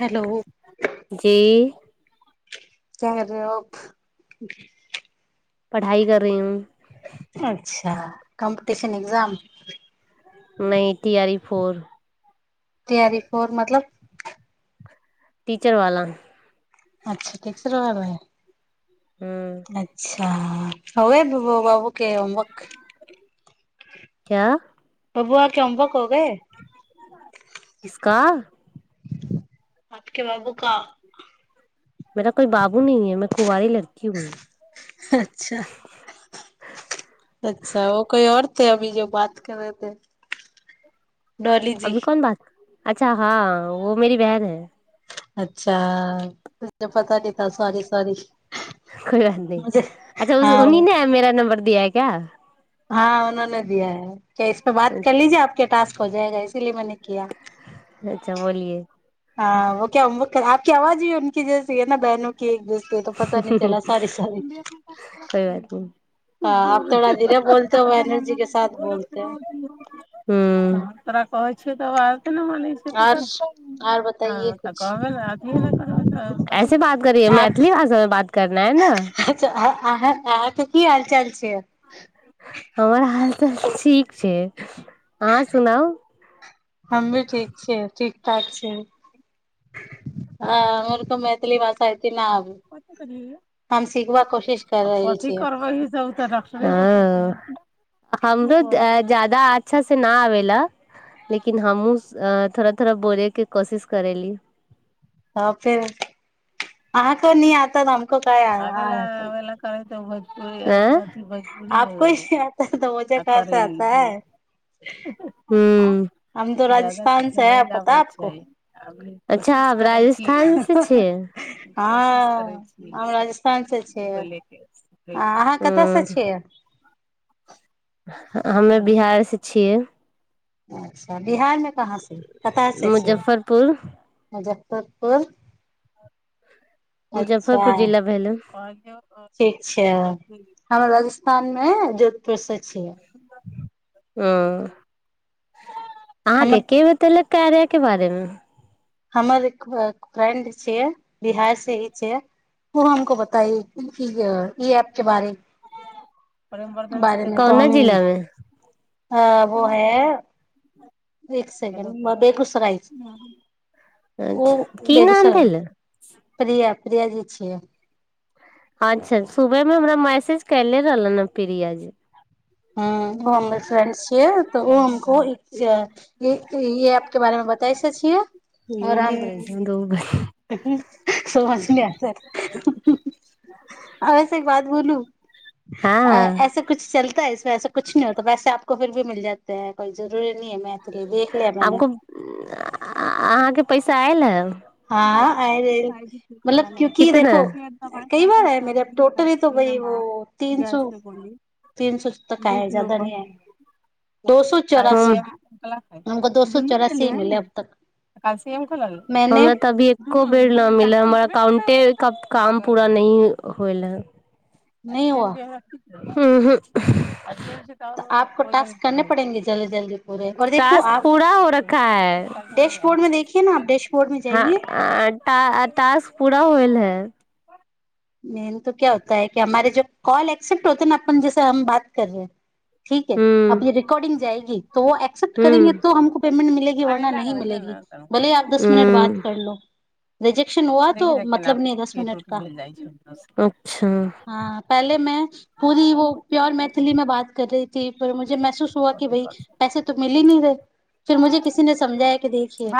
Hello जी केह रहे हो पढ़ाइ कर रही ह अच्छा अ कम्पिटिशन एग्जाम नहि T R E four T R E four मतलब टीचरवाला अच्छा टिचर वाला हम्म अचछा ह ह बाबू के अक क्या बबुआ के अ्बक गे किसका आपके बाबू का मेरा कोई बाबू नी है मैं कुवारी लरकी अच्छा अच्छा ओ कोई आओर थे अभी जो बात कर रहेे डॉली जी अभी कौन बात अच्छा हँ वो मेरी बहन है अच्छा त पता नी त सॉरी सॉरी कोइ बात नहि मुझे अच्छा हाँ उन्हि ने मरा नं्बर दिया है क्या हँ उहोने दिया है क इसपे बात कर लीजे आके टास्क हो जायेगा इसलिए मेने अच्छा बोलिए हँ व क्य आपके आवाज ह जस ह ने बहनू क एक जोस त पता नी चला सारी सारी कोई बात नहीं ह आब थोड़ा धीरे बोलते बहनु जी के साथ बोलते है तोरा कहै छियै तकर बाद ने मन छै त और और ह बताइए तऽ कुछ कहबै ने अथ ने करबै तऽ ऐसे बात करियै आप मैथिली भाषा में बात करना है ने अच्छा अहाँ अहाँ अहाँक की हाल चाल छै हमर हाल तऽ ठीक छै अहाँ सुनाउ हम भी ठीक छियै ठीक ठाक छै आ कहु मैथिली भाषात क कर सीखबाक कोशिश कर आ रहल कथि छियै करबै ह सब तऽ र हमरो जादा अच्छा से न आबेला लेकिन हमहुं थोड़ा थोड़ा बोलेके कोशिश करेली तऽ फेर अहाँ को न आता त हम आ आर आ भोजपुररी हो आपको ही गेलै नहीं आता तो मुझे आ कहाँ करी से आता है हम तो जादा राजस्थान कछो से है नहि पता आबै आपको छैच्ा राजस्थान स छियै हँ राजस्थान स छियै आ अहाँ कतयसँ ह छियै हमे बिहार से छियै अच बिहारमे कहाँ से कतय से मुजफ्फरपुर छियै तपर मुजफ्फरपुर जिला भेलू राजस्थान मे जोधपुर से छियै आ आहांके हमर के र्कार्या के बारेमे हमर एक फ्रेंड छै बिहार से ही छै ओ हमको बताइ ई एप के बारे कौना जिलामे हँ वो है एक सेकड बेगुसराय ओ अच्छा की नाम बेगूसराय भेलै प्र प्रिया जी छियै अच्छा सुबहमे हमरा मैसेज कले रहलन ह प्रियाजी हँ ओ हमर फ्रेंड छियै तऽ ओ हमको य प के बारेमे बताय छियै आओर हम नहि बनै छै दौड़ हम सो मच नहि आ वस एक बात बोलू अ हँ ऐसा कुछ चलता है इस वऐसा कुछ नहि होत वैसे आको फि भी मिल जातेै कोइ जरूरी नहि ह तऽ मैथिली भ आको अहाँके पैसा आयल हाँ अरे हइ मतलब क्योंकि कितना देखो कई बार है मेरे अब टोटल ही तो वही वो तीन सौ तीन सो तक आय जाददा न आय दो सो क्सियम दुनू चौरासी दे ही है मिले ने अब तक कसियम ख मैंने हमरा त अभी एको बेड़ न मिल हमर अकाउंटे क काम पूरा नहि होएल नहीं हय हुआ [unintelligible] ह ह तर तो आपको ओजन टास्क करने बढ़ाइ छै पड़ेंगे जल्दी जल्दी पूरे और देखो टास्क आप पूरा हो रखा है डैशबोर्ड में देखिए ना आप डैशबोर्ड में जाइए टास्क पूरा होल है मेन तो क्या होता है कि हमारे जो कॉल एक्सेप्ट होतेै न अपन जैस हम बात कर रहे ठीक है हूं अब य रिकॉर्डिंग जाएगी त वो एक्सेप्ट हूं करेंगे तो हमको पेमंट मिलेगी वरना नहि मिलेगी भले आ दस मिनट बात हूं कर लो रिजेक्शन हुआ त मतलब नहि दस मिनट का अच्छा हँ पहिले मे पूरी वो प्योर मैथिली मे बात कर रही ती पर महसूस हुआ कि भ पैसे त मिली नहि रहे फर मुझे किसी नहि समझाया कि देखिए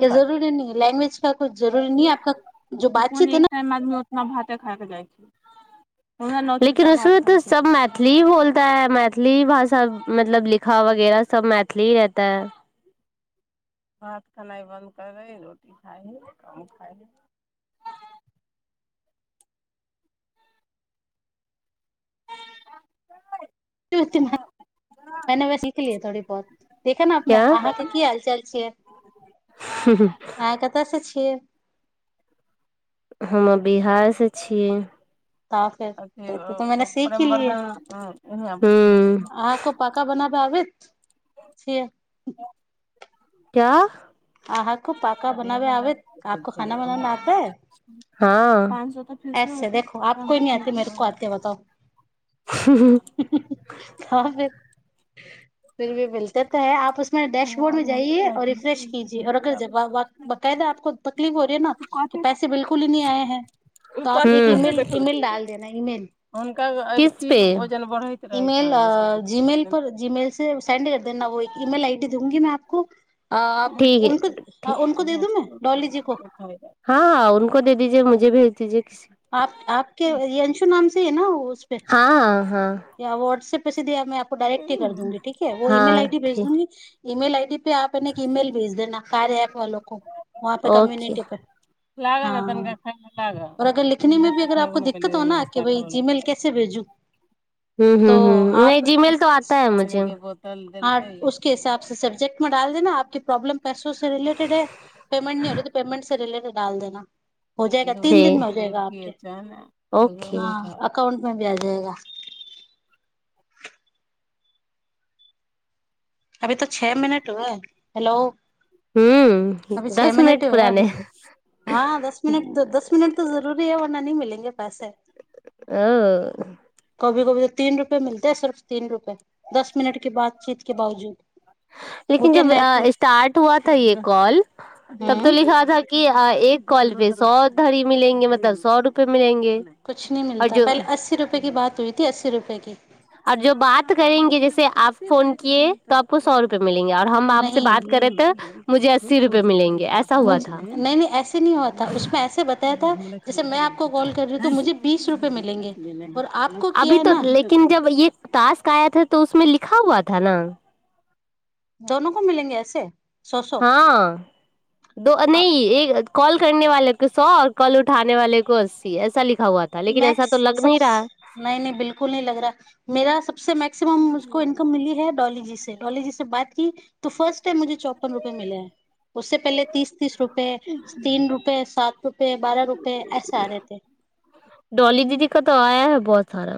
कि जरुरी नहि लैंग्वेज अच्छ कछु जरूरी न आपक जो बातचीतै न भाते खाक जा लेकिन उसमे त सब मैथिली ही बोलता है मैथिली भाषा मतलब लिखा वगैरह सब मैथिली ही रहता भात खनाइ बंद कर [unintelligible] [unintelligible] ने व सीखलिय थोड़ी बहुत देखे ने अपने क्या अहाँके की हाल चाल छिय अहाँ कतऽ से छी खे हम बिहारसँ छी तऽ फेर अथी तऽ मैने सीख ही उरम लियै बरन से क्या अहाँको पाका बनाबे आबैत आपको खाना बनाना आता है ह ऐसे देखो आप को ही नहि आती मेरे को आतीे है बताओ तब फिर फर भी भेलल देता है आप उसमे ैश बोर्ड मे जाइए औ रिफ्रेश कीजएऔ अगर बकायदा आपको तकलीफ हो रही ह न कि पैसे बिलकु ही नी आए है एक ईेल ईमेल डाल देना ईमेल कब इसपे ईमेल अ जीमेेल पर जीमेेल से सेंड कर ईमेल आई डी दूंगी मै आपको अ ठीक है आपको ठीक उनको दे दूं मै डॉलीजी को हाँ हाँ उनको दे दीजिए मुझे भेज दिजिए आप आपके अ अंशु नाम से से है न ओ हँ हँ पैसे दिए में आपको डायरेक्र्टे कर दूंगी ठीक है हाँ वो ई मेल हाँ आईडी भेज ठीक दूंगी ईमेेल आइडी आपने एक ईमेेल भेज देना सारे एप ओके लागऽ नऽ हाँ तनिका खाना लाग हूँ और अगर लिखने में भी अगर आपको दिक्कत हो ना कि भाई जीमेल कैसे भेजूं हूँ तो हूँ हूँ नहि जीमेेल तो आता है मुझे बहुत हँ उसके हिसाब से सब्जेक्ट मे डाल देना आपके प्रॉब्लम पैसो से रिलेटेड है पेमेंट नहि हो रहि थी पेमेंट से रिलेटेड डाल देना हो जाएगा तीन दिन मे ठीक हो जाएगा आपके ओके हँ अकाउंट मे भी आ जाएगा अभी तो छे मिनट हुए है हेलो हम्म अभी छे दस मिनट ही हुए हैं पुराने अभी हँ दस मिनट दस मिनट तो जरूरी है वरना नहि मिले लिये पैसे ओ कभी कभी तो तीन रुपये मिलते है सिर्फ तीन रुपये दस मिनट के बातचीत के बावजूद वो लेकिन क्या जब नेटवर्क स्टार्ट हुआ था ये कॉल तब तो हम्म लिखा था कि एक कॉल पे सौ धड़ी मिलेंगे मतलब सौ रुपये मिलेंगे कुछ नहि और मिलता जो पहिले अस्सी रुपए बात हुई थी अस्सी रुपए पैेके आओर जो बात करेंगे जैसे आप फोन किए तो आपको सौ रुपए मिलेंगे और हम आपसे नहीं बात कर रहे थे मुझे ऐसा अस्सी रूपये मिलेंगे ऐसा हुआ था मुझे नहि नहि ऐसे नहि हुआ था उसमे ऐसे बताया था जैसे मैं आपको कॉल कर रही हूँ तो मुझे बीस रुपए मिलेंगे और आपको किया है न एक टास्क आया था तो उसमे लिखा हुआ था न दोनो को मिलेंगे ऐसे सौ सौ हँ दो नहि एक अथि कॉल करने वाले को सौ आओर कॉल उठाने वाले को अस्सी ऐसा लिख मैक्स नहि नहि बिल्कु न लग रहा मेरा सबसँ मैकसिममको इन्नकम मिली है डॉलीजी से डॉलीजी से बात की तो फर्स्ट टाइम मुझे चौप्पन रुपए मिलै है उससे पहले तीस तीस रुपए तीन रुपए सात रुप बारह रूपय ऐसे आ रहे थे डॉली दीदी का तऽ आया है बहुत सारा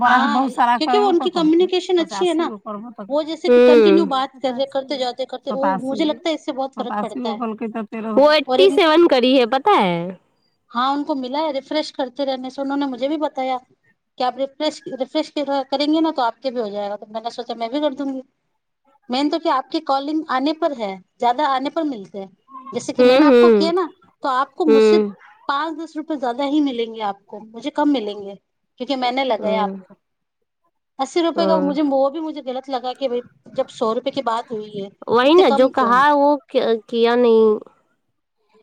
बड़ा हाँ बहुत सारा तऽ क्योंकि वो करबो तऽ उनकी कयलकै कम्युनिकेशन अच्छी है पचासी ना गो करबो तऽ वो जैसे कि कयलकै कंटिन्यू ह बात कर रहे सत्तासी करते गो जाते करते वो सत्तासी मुझे गो लगता है इससे बहुत फर्क सत्तासी पड़ता गो है कयलकै तऽ फेरो ओ और एक एटीसेवेन की है पत्ता है हाँ उनको मिला है रिफ्रेश करते रहने से उनहोने मुझे भी बताया कि आप रिफ्रे रिफ्रेश करेंगे न आपके भी हो जायगा सोचा मैं भी कर दूंगी मैन तो क्या है आपके कॉलिंग आने पर है ज्यादा आने पर नही जैसे कि मैने हम्म आपको हम्म किया न तो आपको मुझसे हम्म पाँच दस रुपए ज्यादा ही मिलेंगे आपको मुझे कम मिलेंगे क्योंकि मैने गए हम्म आपको अस्सी रुपए का हम्म वो भी मुझे गलत लगा कि भाई जब सौ रुपए का बात हुई है वही तो ना कम जो क्यों कहा वो कि- किया नहीं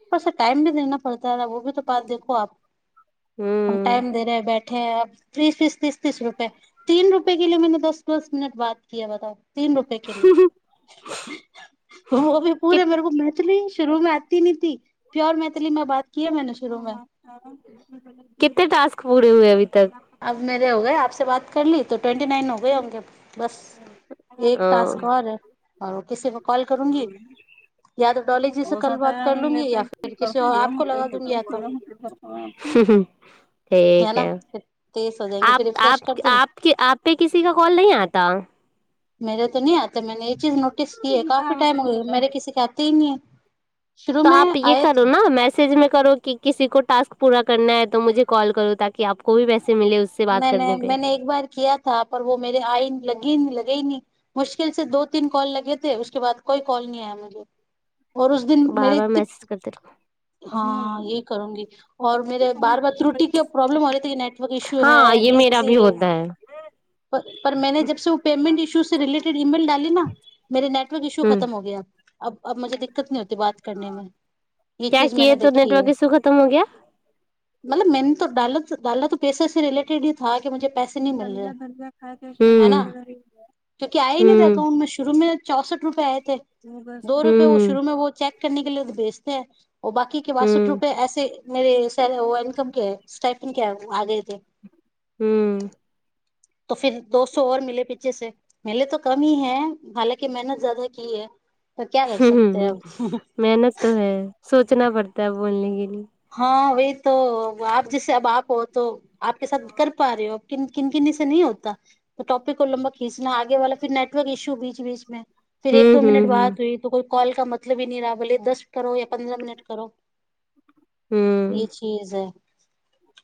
ऊपर से टाइम भी देना पड़ता वो भी तो बात देखो आप हम हम्म टाइम दे रहे है बैठ बैठे हैं बीस तीस तीस तीस रुपए तीन रुपए के लिए मैने दस दस मिनट बात किया बताओ तीन रुपये के लिए वो भी कि, पूरे मेरे को म मैथिली शुरू मे आती नही थी प्योर मैथिली मे बात की है मैंने शुरू में कते टास्क पूरा दू है अभी तक अब मेरे हो गए बात कर ली ट्वेंटी नाइन हो गय होंगे अब बस एक टास्क आओर है किसी को कॉल करूंगी या तो डॉली जी से कल बात कर लूंगी या फिर किसी और करते आपको लगा दूंगी होतै या तो हूँ हूँ ठीक ना है फिर तेज हो जाएंगे फिर आप रिफ्रेश कर दूंगी आपके आपपे किसी का कॉल नहि आता मेरे तो नहि आता मैने ई चीज नोट प्रेक्टिस किए काफी टाइम हो गए मेरे किसी के आती ही नहीं है शुरू तो में आप ये आए करो थे न मैसेजमे करो कि किसी को टास्क पूरा करना है तो मुझे कॉल करो ताकि आपको भी पैसे मिले उससे बात नहि नहि करने पे मैने एक बार किया था पर वो मेरे आइन लगी नहि लगी मुश्किल से दो तीन कॉल लगे थे उसके बाद कोइ कॉल नहि आया मुझे और उस दिन मेरी बार-बार इती मैसेज करते रहो हँ ये करूंगी और मेरे बार बार त्रुटी के प्रॉब्लम हो रही थी नेटवर्क इशू हँ है ये मेेरा बिजी भी होता है पर पर मैने जब से ओ पेमेंट इशू से रिलेटेड ईमेल डाली न मेरे नेटवर्क इशू हुँ, खतम हो गया अब अब मुझे दिक्कत नहि होती बात करनेमे ये क्या चीज किए मेने तो देखी नेटवर्क है इशू खत्म हो गया? मतलब मैने तो डाला तो डाला तो पेसे से रिलेटेड ही था कि मुेझे पैसे नहि मिल रहे ना हूँ हूँ मे चौसठ रुपये आए थे दो खत्म रुपये ओ हो शुरू गया। मे वो चेक करने के लिए भेजते थे और बाकी के बासठ हुँ, रुपए ऐेसे मेरे हिस्से में वेलकम के स्टाइफेन के आ गए थे हूँ तो फिर दो सौ और मिले पीछे से मिले तो कम ही है हालाँकि मेहनत ज्यादा की है क्या कर सकते हैं हूँ अब मेहनत तो है सोचना पड़ता है बहुत बोलने के लिए हँ वहि तो आप जैसे अब आप हो तो आपके साथ कर पा रहे हो किन किनी से नहि होता त टॉपिक को लम्बा खींचना आगे वाला फिर नेटवर्क इश्यू बीच बीच मे फिर एक लिए। हुँ, दो हुँ, मिनट हुँ, बात हुइ तो कोइ कॉल का मतलब ही नहि रहा भले दस करो या पन्द्रह मिनट करो ये हुँ, चीज है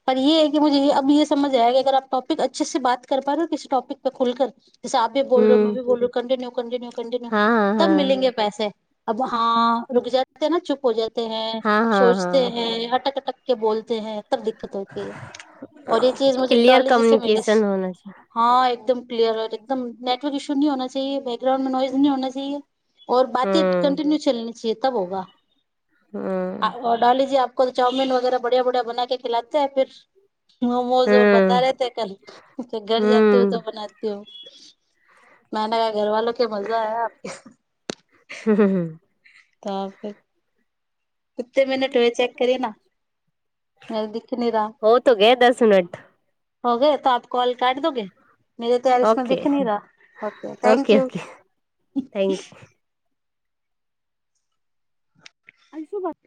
पर ये है कि मुझे अब ये समझ आया कि अगर टॉपिक अच्छे से बात कर पा रहे हो किसी टॉपिक पे खुल कर जैसे आप भी बोलो उ हुँ, भी बोलो कन्टिन्यू कोनजि नेक कन्टीन्यू हाँ, हाँ, तब हाँ। मिलेंगे पैसे अब हँ रुक जाते न चुप हो जाय ते है हाँ, हाँ, सोच ते हाँ, हैं अटक अटक के बोलते हैं दिक्कत होती है और ये चीज मुझे क्लियर डॉलीजी से मिलीस कम्युनिकेशन होना चाहिए, हँ एकदम किलियर एकदम नेटवर्क इशूी नही होना चाहिये बेग्राउंड मे नवाइज नही होना चहिये ओर बाती हुँ। कंटिन्यू चलनी छिये तब होगा हँ लीजिये आपको चाउमिन वगैरह बढ़िया बढ़िया बना के खिलातेै फिर मोमोज ओर बता हम्म रहे थे कल जो घर जाती हू तो बनाती हू मै ने अगर घरवालो के मजा है आपके हम्म तब फेर ना मेरा दिख नहीं रहा हो तो गया दस मिनट हो गये तो आप कॉल काट दोगे मेरे तो यार इस मे ओके दिख नहि रहा ओके थेंक्यूू ओके थैंक अइसे बात